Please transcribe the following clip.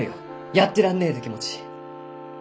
「やってらんねえ！」って気持ち。